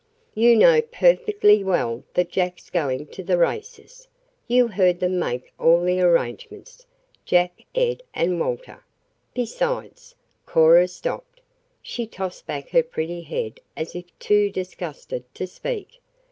You know perfectly well that Jack's going to the races. You heard them make all the arrangements Jack, Ed and Walter. Besides " Cora stopped. She tossed back her pretty head as if too disgusted to speak.